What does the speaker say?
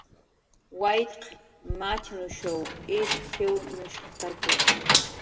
"Waytq machnushuw ish jiwnushp""taki"